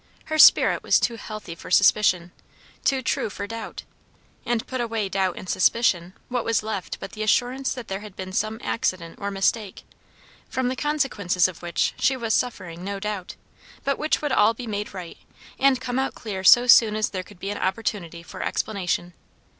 Her spirit was too healthy for suspicion, too true for doubt; and put away doubt and suspicion, what was left but the assurance that there had been some accident or mistake; from the consequences of which she was suffering, no doubt, but which would all be made right, and come out clear so soon as there could be an opportunity for explanation.